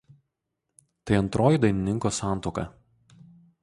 Tai antroji dainininko santuoka.